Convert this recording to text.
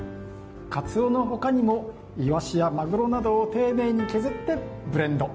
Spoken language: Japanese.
かつおのほかにもいわしやまぐろなどを丁寧に削ってブレンド。